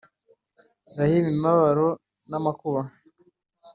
Rm imibabaro n amakuba